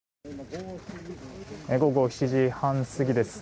午後７時半過ぎです。